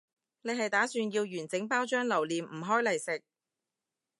你係打算要完整包裝留念唔開嚟食？